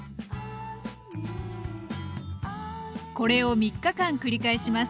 これを３日間繰り返します。